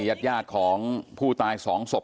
ยัดยากของผู้ตาย๒ศพ